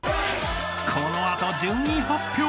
［この後順位発表！